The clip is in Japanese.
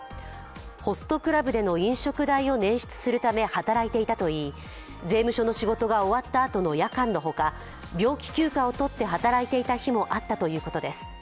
ホストクラブでの飲食代を捻出するため働いていたと言い、税務署の仕事が終わったあとの夜間のほか病気休暇を取って働いていた日もあったということです。